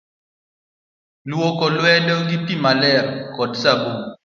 Luoko lwedo gi pii maler koda sabun.